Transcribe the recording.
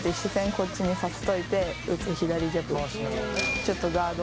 こっちにさせといて打つ左ジャブ。